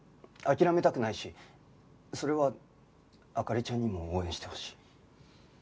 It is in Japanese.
諦めたくないしそれは灯ちゃんにも応援してほしい。